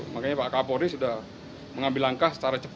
makanya pak kapolri sudah mengambil langkah secara cepat